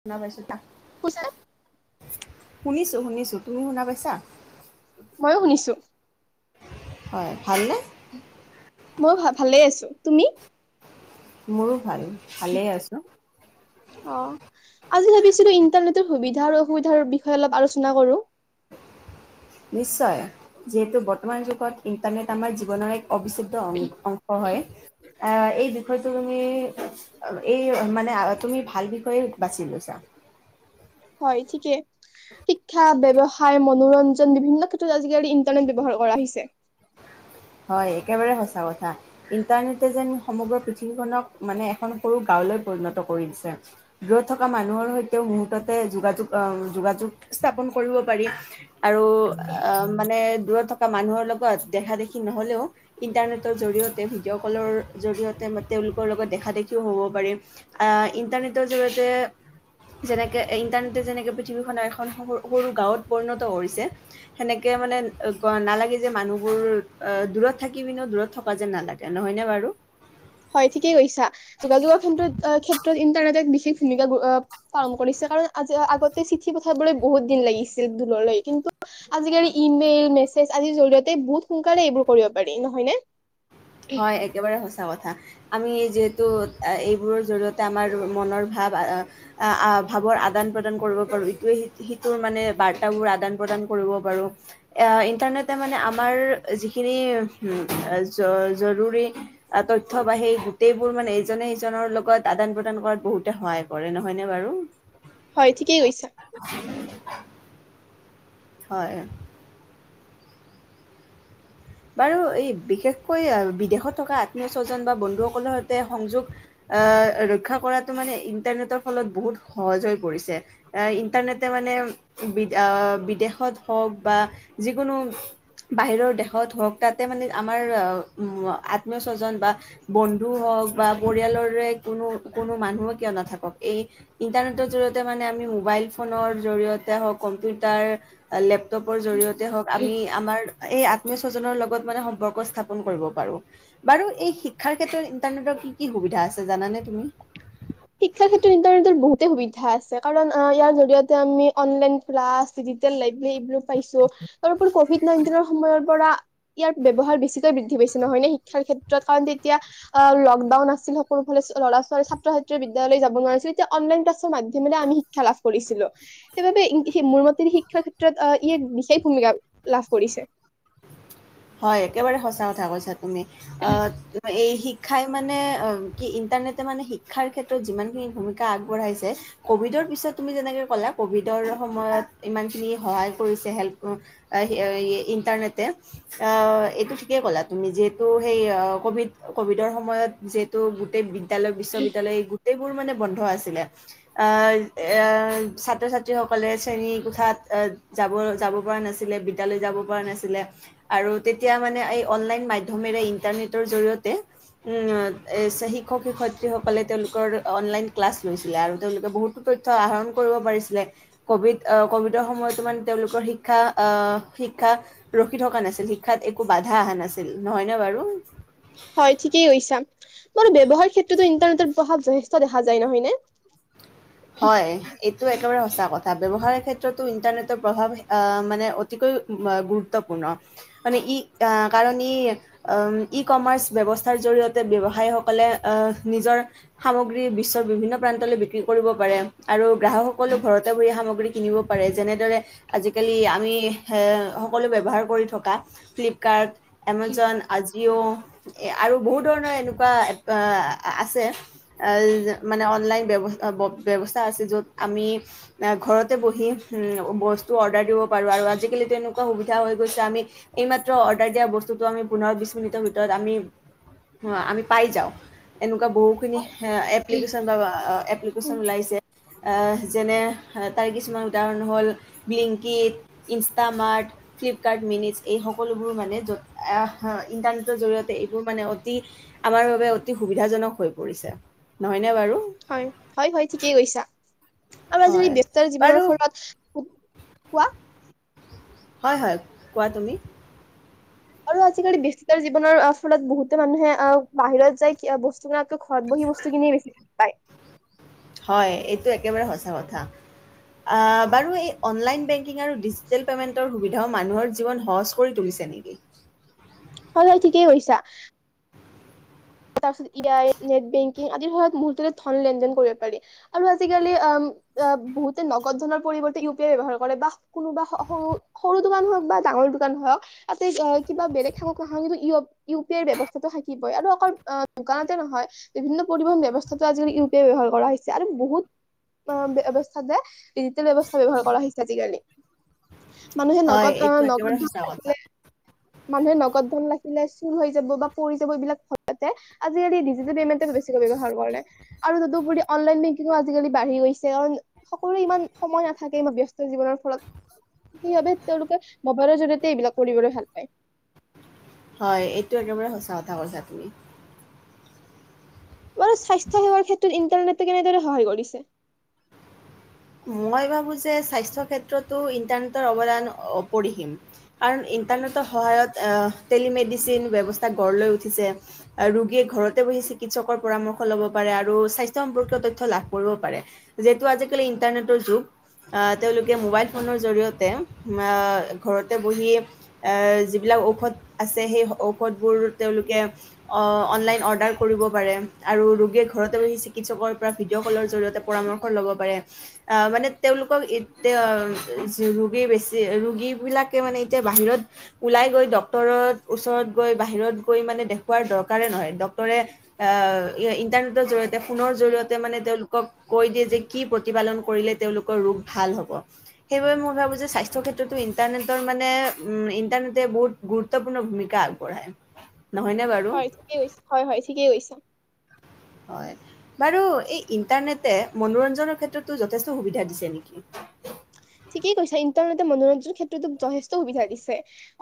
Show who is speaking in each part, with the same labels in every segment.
Speaker 1: শুনা পাইছো তাক।
Speaker 2: কুচে
Speaker 1: শুনিছোঁ-শুনিছোঁ, তুমি শুনা পাইছা?
Speaker 2: ময়ো শুনিছো।
Speaker 1: হয়, ভাল নে?
Speaker 2: মই ভ-ভালে আছো, তুমি?
Speaker 1: মোৰো ভাল। ভালেই আছো।
Speaker 2: অ আজি ভাবিছিলো ইন্টাৰনেটৰ সুবিধা আৰু অসুবিধাৰ বিষয়ে অলপ আলোচনা কৰো।
Speaker 1: নিশ্চয়। যিহেতু বৰ্তমান যুগত ইণ্টাৰনেট আমাৰ জীৱনৰ এক অবিচ্ছেদ্যং অংশ হয়, এই বিষয়টো তুমি এই মানে তুমি ভাল বিষয়ে বাচি লৈছা।
Speaker 2: হয় থিকে। শিক্ষা, ব্যৱসায়, মনোৰঞ্জন, বিভিন্ন ক্ষেত্ৰত আজিকালি ইন্টাৰনেট ব্যৱহাৰ কৰা হৈছে।
Speaker 1: হয় একেবাৰে সঁচা কথা ইণ্টাৰনেটে যেন সমগ্ৰ পৃথিৱীখননক মানে এখন সৰু গাঁওলৈ পৰিণত কৰি দিছে। দূৰত থকা মানুহৰ সৈতেও মুহূৰ্ততে যোগাযোগ-যোগাযোগ স্থাপন কৰিব পাৰি আৰু মানে দূৰত থকা মানুহৰ লগত দেখা-দেখি নহলেও ইণ্টাৰনেটৰ জৰিয়তে ভিডিঅ' কলৰ জৰিয়তে বা তেওঁলোকৰ লগত দেখা দেখিও হ'ব পাৰি। আহ ইণ্টাৰনেটৰ জৰিয়তে যেনেকে ইণ্টাৰনেটে যেনেকে পৃথিৱীখনৰ এখন সৰু-সৰু গাঁৱত পৰিণতছে সেনেকে মানে নালাগ যে মানুহবোৰ অহ, দূৰত থাকি পিনেউ দূৰত থকা যেন নালাগে নহয়নে বাৰু?
Speaker 2: হয় ঠিকেই কৈছা। যোগাযোগৰ ক্ষেত্ৰত-ক্ষেত্ৰত ইণ্টাৰনেটত বিশেষ [unintelligible] কৰিছে। কাৰণ আজি আহ আগতে চিঠি পঠাবলৈ বহুত দিন লাগিছিল দূৰলৈ কিন্তু আজিকালি ই-মেল, মেছেজ, আদিৰ জৰিয়তে বহুত সোনকালে এইবোৰ কৰিব পাৰি। নহৈ নে?
Speaker 1: হয় একেবাৰে সঁচা কথা। আমি যিহেতু এইবোৰৰ জৰিয়তে আমাৰ মনৰ ভাৱ-ভাৱৰ আদান প্ৰদান কৰিব পাৰোঁ ইটোৱে সিটোৰ মানে বাৰ্তাবোৰ আদান প্ৰদান কৰিব পাৰোঁ ইণ্টাৰনেটে মানে আমাৰ যিখিনি জৰুৰী তথ্য বা সেই গোটেইবোৰ মানে ইজনে সিজনৰ লগত আদান প্ৰদান কৰাত বহুতে সহায় কৰে, নহয়নে বাৰু?
Speaker 2: হয় ঠিকেই কৈছা।
Speaker 1: হয়। বাৰু এই বিশেষকৈ আহ বিদেশত থকা আত্মীয় স্বজন বা বন্ধুসকলৰ সৈতে সংযোগ আহ ৰক্ষা কৰাটো মানে ইণ্টাৰনেটৰ ফলত বহুত সহজ হৈ পৰিছে। এ ইণ্টাৰনেটে মানে বিদ আহ বিদেশত হওক বা যিকোনো বাহিৰৰ দেশ হওক তাতে মানে আমাৰ আত্মীয় স্বজন বা বন্ধু হওক বা পৰিয়ালৰে কোনো-কোনো মানুহো কিয় নাথাকক, এই ইণ্টাৰনেটৰ জৰিয়তে মানে আমি মোবাইল ফোনৰ জৰিয়তে হওক কম্পিউটাৰ লেপ পৰ জৰিয়তে হওক আমি আমাৰ এই স্বজনৰ লগত মানে সম্পৰ্ক স্থাপন কৰিব পাৰো। বাৰু এই শিক্ষাৰ ক্ষেত্ৰত ইন্টাৰনেটৰ কি-কি সুবিধা আছে জানানে তুমি?
Speaker 2: শিক্ষাৰ ক্ষেত্ৰত ইন্টাৰনেটৰ বহুতে সুবিধা আছে, কাৰণ ইয়াৰ জৰিয়তে আমি অনলাইন ক্লাছ, ডিজিটেল লাইব্ৰৰী এইবোৰো পাইছো। তাৰপৰি কভিড নাইনটিনৰ সময়ৰ পৰা ইয়াৰ ব্ৱহাৰ বেছিকৈ বৃদ্ধি পাইচিলে হৈ নে, শিক্ষাৰ ক্ষেত্ৰত? কাৰণ তেতিয়া আহ লকডাউন আছিল সকলোফালে ল'ৰা ছোৱালী ছাত্ৰ ছাত বিদ্যালয় যাব নোৱাৰিছিল এতিয়া অনলাইন ক মাধ্যমেৰে আমি শিক্ষা লাভ কৰিছিলো। সেইবাবে মোৰ মতে শিক্ষাৰ ক্ষেত্ৰত ই এক বিশেষ ভূমিকা লাভ কৰিছে।
Speaker 1: হয় একেবাৰে সঁচা কথা কৈছা। তুমি। আহ এই শিক্ষাই মানে কি ইণ্টাৰনেটে মানে শিক্ষাৰ ক্ষেত্ৰত যিমান খিনি ভূমিকা আগবঢ়াইছে, কভিডৰ পিছত তুমি যেনেকে কলা কভিডৰ সময়ত ইমান খিনি সহায় কৰিছে হেল্প ইন্টাৰনেটে অহ এইটো ঠিকেই ক'লা তুমি যিহেতু সেই কভিড-কভিডৰ সময়ত যিহেতু গোটেই বিদ্যালয়, বিশ্ববিদ্যালয় এই গোটেই মানে বন্ধ আছিলে। আহ এৰ ছাত্ৰ-ছাত্ৰী সকলে শ্ৰেণী কোঠাত আহ যাব-যাব পৰা নাছিলে, বিদ্যালয় যাব পৰা নাছিলে। আৰু তেতিয়া মানে এই অনলাইন মাধ্যমেৰে ইন্টাৰনেটৰ জৰিয়তে উ এ। শিক্ষক- শিক্ষয়িত্ৰীসকলে তেওঁ- অনলাইন ক্লাছ লৈছিলে আৰু তেওঁলোকে বহুতো তথ্য আহৰণ কৰিব পাৰিছিলে। ক'ভিড আহ ক'ভিডৰ সময়তো মানে তেওঁলোকৰ শিক্ষা আহ। শিক্ষা ৰখি থকা নাছিল। শিক্ষাত একো বাধা আহা নাছিল নহয় নে বাৰু।
Speaker 2: হয় ঠিকেই কৰিছা। মোৰ ব্যৱহাৰ ক্ষেত্ৰত ইটা। প্ৰভাৱ যথেষ্ট দেখা যায় নহয়নে।
Speaker 1: হয়। টো একেবাৰে সঁচা কথা ব্যৱসায়ৰ ক্ষেত্ৰতো ইন্টাৰনেটৰ প্ৰভাৱ আহ মানে অতিকৈ গুৰুত্বপূৰ্ণ মানে ই কাৰণ ই ই কমাৰ্চ ব্যৱস্থাৰ জৰিয়তে ব্যৱসায়ীসকলে আহ নিজৰ সামগ্ৰী বিশ্বৰ বিভিন্ন প্ৰান্তলৈ বিক্ৰী। কৰিব পাৰে আৰু গ্ৰাহকসকলেও ঘৰতে বহি সামগ্ৰী কিনিব। পাৰে যেনেদৰে আজিকালি আমি হে সকলো ব্যৱহাৰ কৰি থকা ফ্লী। কাৰ্ড। এমজন আজিঅ' আৰু বহুত ধৰণৰ এনেকুৱা এ আছে মানে অনলাইন ব্যৱ ব্যৱস্থা আছে য'ত আমি। ঘৰতে বহি উম বস্তু অৰ্ডাৰ দিব পাৰোঁ আৰু আজি কালি তেনেকুৱা- ত সুবিধা হৈ গৈছে আমি এইমাত্ৰ অৰ্ডাৰ দিয়া বস্তুটো আমি পোন্ধৰ বিশ মিনিটৰ ভিতৰত আমি আমি পাই যাওঁ। এনেকুৱা বহু খিনি এপ্লিকেচন পাবা।
Speaker 2: হয়
Speaker 1: টিচন ওলাইছে যেনে তাৰ কিছুমান উদাহৰণ হ'ল। বিলিংকিড ইনষ্টামাৰ্ট ফ্লিপকাৰ্ট মিনিচ এই সকলোবোৰ মানে য'ত হয়। ইণ্টাৰনেটৰ জৰিয়তে এইবোৰ মানে অ। অতি আমাৰ বাবে অতি সুবিধাজনক হৈ পৰিছে নহয় নে বাৰু।
Speaker 2: হয় হয় হয় ঠিকেই কৈছা। আমাৰ যদি
Speaker 1: হয়
Speaker 2: ব্যস্তৰ জীৱনৰ
Speaker 1: বাৰু
Speaker 2: ফলত। কোৱা।
Speaker 1: হয় হয় কোৱা তুমি।
Speaker 2: আৰু আজিকালি ব্যস্ততাৰ জীৱনৰ ফলত বহুতে মানুহে আহ বাহিৰত যায় বস্তু কিনাতকৈ ঘৰত বহি বস্তু কিনিয়ে বেছি ভাল পায়।
Speaker 1: হয় এইটো একেবাৰে সঁচা কথা আ বাৰু এই অনলাইন - আৰু ডিজিটেল পেমেণ্টৰ সুবিধা। তেওঁ মানুহৰ জীৱন সহজ কৰি তুলিছে নেকি?
Speaker 2: হয় ঠিকেই কৈছা। তাৰ পিছত ই আই নেট বেংকিং আদিৰ সত মৰতে ধন লেন দেন কৰিব পাৰি আৰু আজিকালি বহুতে নগদ ধনৰ পৰিৱৰ্তে ইউ পি আই ব্যবহাৰ কৰে বা কোনোবা সৰু সৰু দোকান হওক বা ডাঙৰ দোকান হওক। তাতে কিবা বেলেগ থাকক কিন্তু ই ইউ পি আইৰ ব্যৱস্থাতটো থাকিব। হয় আৰু অকল। দোকানতে নহয় বিভিন্ন পৰিবহন ব্যৱস্থা আজিকালি ইউ পি আই ব্যৱহাৰ কৰা হৈছে আৰু বহুত ব্যৱস্থা যে। ডিজিটেল ব্যৱস্থা ব্যৱহাৰ কৰা হৈছে আজিকালি। মানুহে
Speaker 1: হয়,
Speaker 2: নগদ আহ
Speaker 1: এইটো একেবাৰে
Speaker 2: নগদ
Speaker 1: সঁচা কথা।
Speaker 2: আহিলে। মানুহে নগদ ধন ৰাখিলে চুৰ হৈ যাব বা পৰি যাব এইবিলাক ভ। মে আজি কালি ডিজিটেল পেমেণ্ট। বেছিকৈ ব্যৱহাৰ কৰে। আৰু তদুপৰি অনলাইন বেংকিং আজিকালি বাঢ়ি গৈছে কাৰণ সকলোৰে ইমান সময় নাথাকে ইমান ব্যস্ত। জীৱনৰ ফলত কি ভাবে। তেওঁলোকে মোবাইলৰ জৰিয়তে এইবিলাক কৰিবলৈ ভাল পায়।
Speaker 1: হয় এইটো একেবাৰে সঁচা কথা কৈছা তুমি।
Speaker 2: বাৰু স্বাস্থ্য সেৱাৰ ক্ষেত্ৰত ইন্টাৰনেটে কেনেদৰে সহায় কৰিছে?
Speaker 1: মই ভাবোঁ যে স্বাস্থ্য ক্ষেত্ৰতো ইণ্টাৰনেটৰ অৱদান অপৰিসীম। কাৰণ ইণ্টাৰনেটৰ সহায়ত। আহ টেলিমেডিচিন ব্যৱস্থা গঢ় লৈ উঠিছে ৰোগীয়ে ঘৰতে বহি চিকিৎসকৰ পৰামৰ্শ লব পাৰে আৰু স্বাস্থ্য সম্পৰ্কীয় তথ্য লাভ কৰিব পাৰে যিহেতু আজিকালি। ইণ্টাৰনেটৰ যুগ তেওঁলোকে মোবাইল ফোনৰ জৰিয়তে ঘৰতে বহি যিবিলাক ঔষধ আছে সেই। ঔষধবোৰ তেওঁলোকে? অনলাইন অৰ্ডাৰ কৰিব পাৰে? আৰু ৰোগীয়ে ঘৰতে বহি। চিকিৎসকৰ পৰা ভিডিঅ' কলৰ জৰিয়তে পৰামৰ্শ ল'ব পাৰে। আ মানে তেওঁলোকক এতিয়া ৰোগী বেছি ৰোগী বিলাকে মানে এতিয়া বাহিৰত ওলাই গৈ ডক্তৰত ওচৰত গৈ বাহিৰত গৈ মানে দেখুওৱাৰ দৰকাৰে নহয় ডাক্তৰে অহ মানে ইণ্টাৰনেটৰ জৰিয়তে ফোনৰ জৰিয়তে মানে তেওঁলোক কৈ দিয়ে যে কি প্ৰতিপালন কৰিলে তেওঁলোকৰ ৰোগ ভাল হ'ব, সেইবাবে মই ভাবো যে স্বাস্থ্যৰ ক্ষেত্ৰতো ইটাৰনেটৰ মানে উ বহুত গুৰুত্বপূৰ্ণ ভূমিকা আগবঢ়াই।
Speaker 2: হয় ঠিকেই
Speaker 1: হয় বাৰু এই ইণ্টাৰনেটে মনোৰঞ্জনৰ ক্ষেত্ৰতো যথেষ্ট সুবিধা দিছে নেকি।
Speaker 2: ঠিকেই কৈছো ইণ্টাৰনেটে মনোৰঞ্জনৰ ক্ষেত্ৰতো যথেষ্ট সুবিধা দিছে।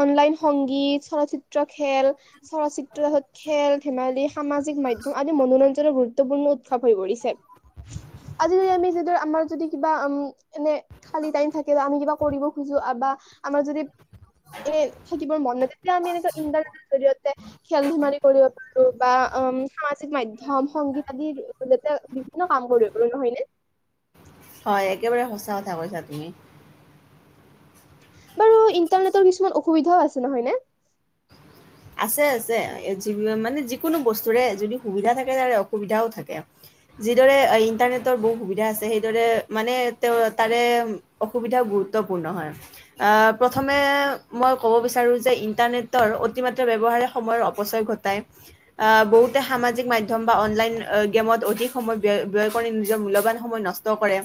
Speaker 2: অনলাইন সংগীত চলচ্চিত্ৰ খেল চলচ্চিত্ৰ খেল ধেমালি সামাজিক মাধ্যম আদি মনোৰঞ্জনৰ গুৰুত্বপূৰ্ণউৎসৱ হৈ পৰিছে। আজি যদি আমি আমাৰ যদি কিবা উম এনে খালি টাইম থাকে বা আমি কিবা কৰিব খোজো বা আমাৰ যদি এনে থাকিবৰ মন ন যেতিয়া আমি এনেকুৱা ইণ্টাৰনেটৰ জৰিয়তে খেল ধেমালি কৰিব পাৰো। বা উম সামাজিক মাধ্যম সংগীত আদিৰ জৰিয়তে বিভিন্ন কাম কৰিব পাৰ নহয় ন'
Speaker 1: হয় একেবাৰে সঁচা কথা কৈছা তুমি।
Speaker 2: বাৰু ইন্টাৰনেটৰ কিছুমান অসুবিধাও আছে নহয়নে?
Speaker 1: আছে -আছে মানে যিকোনো বস্তুৰে যদি সুবিধা থাকে তাৰে অসুবিধাও থাকে যিদৰে ইণ্টাৰনেটৰ বহুত সুবিধা আছে সেইদৰে মানে তেওঁ তাৰে অসুবিধাও গুৰুত্বপূৰ্ণ হয় প্ৰথমে মই ক'ব বিচাৰোঁ যে ইণ্টাৰনেটৰ অতিমাত্ৰা ব্যৱহাৰে সময়ৰ অপচয় ঘটাই আ বহুতে সামাজিক মধ্যম বা অনলাইন গেমত অধিক সময় ব্যয় ব্যয় কৰি নিজৰ মূল্যবান সময় নষ্ট কৰে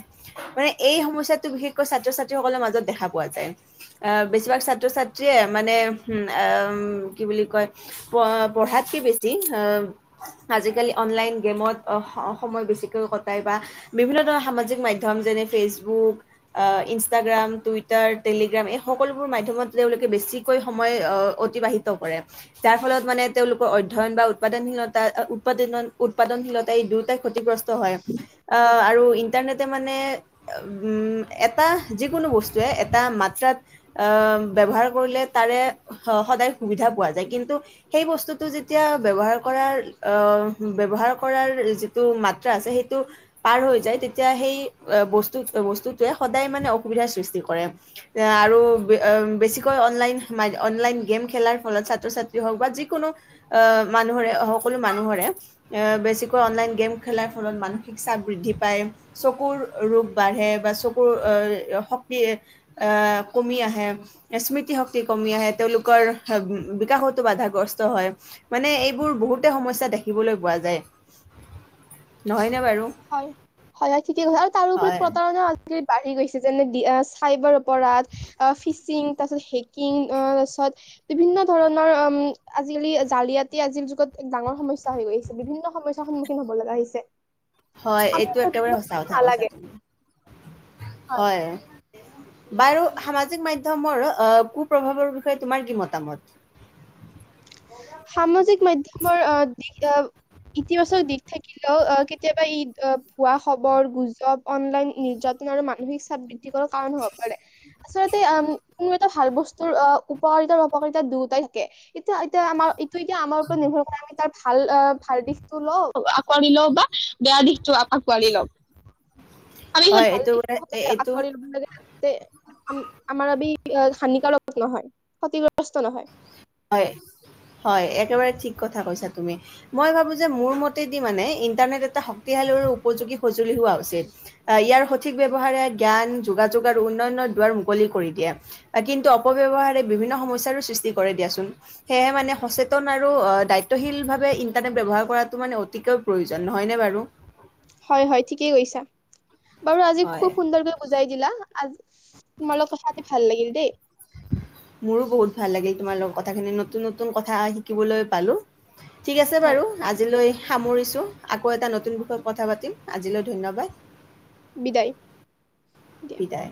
Speaker 1: মানে এই সমস্য়াটো বিশেষকৈ ছাত্ৰ ছাত্ৰীসকলৰ মাজত দেখা পোৱা যায়। আহ বেছিভাগ ছাত্ৰ ছাত্ৰীয়ে মানে কি বুলি কয়! পঢ়াতকৈ বেছি আজিকালি অনলাইন গেমত অ' সময় বেছিকৈ কটাই বা বিভিন্ন ধৰণৰ সামাজিক মাধ্যম যেনে ফেচবুক ইনষ্টাগ্ৰাম। টুইটাৰ টেলিগ্ৰাম এই সকলোবোৰ মাধ্যমত তেওঁলোকে বেছিকৈ সময় অতিবাহিত কৰে যাৰ ফলত মানে তেওঁলোকৰ অধ্যয়ন বা উৎপাদনশীলতা উৎপাদনত উৎপাদনশীলতা ক্ষতিগ্ৰস্ত হয় অ' আৰু ইণ্টাৰনেটে মানে এটা যিকোনো বস্তুৱে এটা মাত্ৰাত ব্যৱহাৰ কৰিলে তাৰে সদায় সুবিধা পোৱা যায় কিন্তু সেই বস্তুটো যেতিয়া ব্যৱহাৰ কৰাৰ ব্যৱহাৰ ব্যৱহাৰ কৰাৰ যিটো মাত্ৰা আছে সেইটো পাৰ হৈ যায় তেতিয়া সেই বস্ত বস্তুটোৱে সদায় মানে অসুবিধাৰ সৃষ্টি কৰে আৰু বেছিকৈ অনলাইন অনলাইন [unintelligible] খেলাৰ ফলত ছাত্ৰ ছাত্ৰী হওঁক বা মানে যিকোনো মানুহৰে বেছিকৈ অনলাইন গেম খেলাৰ ফলত মানসিক চাপ। বৃদ্ধি [inaudible] পায় চকুৰ ৰোগ বাঢ়ে বা চকুৰ শক্তি কমি আহে স্মৃতি শক্তি কমি আহে তেওঁলোকৰ বিকাশতো বাধাগ্ৰস্ত হয় মানে এইবোৰ বহুত সমস্যা দেখিবলৈ পোৱা যায় নহয়নে বাৰু
Speaker 2: হয়।
Speaker 1: হয়।
Speaker 2: আজালি বাঢ়ি গৈছে যেনে চাইবাৰ অপৰাধ ফিচিং তাৰ পিছত হেকিং অ তাৰ পিছত বিভিন্ন ধৰণৰ অ আজিকালি জালিয়াতি আজি যুগত এক ডাঙৰ সমস্যা হৈ গৈছে বিভিন্ন সমস্যাৰ সন্মুখীন হব লগা হৈছে।
Speaker 1: হয়
Speaker 2: আমি
Speaker 1: এইটো
Speaker 2: আচলতে
Speaker 1: একেবাৰে সঁচা কথা কৈছা
Speaker 2: নালাগে
Speaker 1: তুমি হয় বাৰু সামাজিক মাধ্যমৰ কুপ্ৰভাৱৰ বিষয়ে তোমাৰ কি মতামত
Speaker 2: সামাজিক মাধ্যমৰ আহ দিশ আহ ইতিবাচক দিশ থাকিলেও আহ কেতিয়াবা ই ভুৱা খবৰ গুজৱ অনলাইন নিৰ্যাতন আৰু মানসিক চাপ বৃদ্ধ কৰে কাৰণ হব পাৰে আচলতে কোনো এটা ভাল বস্তুৰ আহ উপকাৰিতা উপপকাৰিতা দুয়োটাই থাকে এতিয়া এতিয়া আমাৰ ত এতিয়া কি আমাৰ ওপৰত নিৰ্ভৰ কৰে আমি তাত ভাল অ ভাল দিশতটো ল আঁকালি লও বা বেয়া দিশ আকোৱালি ল‌ও খালি হে
Speaker 1: হয়,
Speaker 2: ভাল
Speaker 1: এইটো মানে
Speaker 2: দিশটো
Speaker 1: এ-
Speaker 2: সদায়
Speaker 1: এইটো
Speaker 2: আঁকোৱালি লব লাগে। তে আমাৰ আ হানিকাৰক নহয় ক্ষতিগ্ৰস্ত নহয়
Speaker 1: হয় হয় একেবাৰে ঠিক কথা কৈছা তুমি মই ভাবো যে মোৰ মতেদি মানে ইন্টাৰনেট এটা শক্তিশালী আৰু উপযোগী সঁজুলি হোৱা উচিত ইয়াৰ সঠিক ব্যবহাৰ জ্ঞান যোগাযোগ আৰু উন্নয়নৰ দুৱাৰ মুকলি কৰি দিয়া কিন্তু অপব্যৱহাৰে বিভিন্ন সমস্যয়াৰো সৃষ্টি কৰে দিয়া সেয়হে মানে সচেতন আৰু দায়িত্বশীলভাৱে ইন্টাৰনেট ব্যৱহাৰ কৰাটো মানে অতিকৈ প্ৰয়োজন নহয়নে বাৰু
Speaker 2: হয় হয় ঠিকেই কৈছা বাৰু আজি
Speaker 1: হয়।
Speaker 2: খুব সুন্দৰকৈ বুজাই দিলা তোমাৰ লগত কথা পাতি ভাল লাগিল দেই
Speaker 1: মোৰো বহুত ভাল লাগিল তোমাৰ লগত কথাখিনি নতুন নতুন কথা শিকিবলৈ পালো ঠিক আছে
Speaker 2: হয়
Speaker 1: বাৰু আজিলৈ সামৰিছো আকৌ এটা নতুন বিষয়ত কথা পাতিম আজিলৈ ধন্যবাদ
Speaker 2: বিদায়, দিয়া!
Speaker 1: বিদায়